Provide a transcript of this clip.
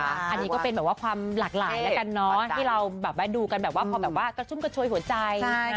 อันนี้ก็เป็นความหลากหลายที่เราดูกันกระชุมกระโชยหัวใจ